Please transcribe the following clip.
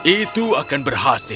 itu akan berhasil